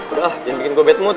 udah jangan bikin gua bad mood